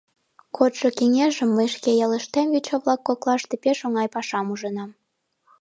Кодшо кеҥежым мый шке ялыштем йоча-влак коклаште пеш оҥай пашам ужынам.